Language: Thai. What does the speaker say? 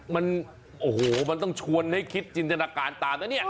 มันโอ้โหมันต้องชวนให้คิดจินตนาการตามนะเนี่ย